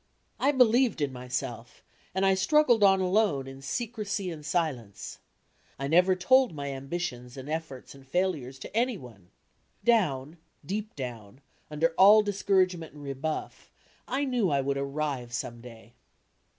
I believed in myself and I struggled on alone, in secrecy and silence. I never told my ambitions and efforts and failures to any one. Down, deep down, under all discouragement and rebuflF, I knew I would "arrive" some day.